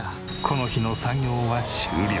この日の作業は終了。